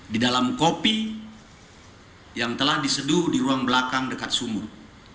di dalam kopi yang telah diseduh di ruang belakang dekat sumur